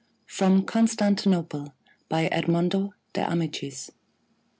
FROM "CONSTANTINOPLE." EDMONDO DE AMICIS.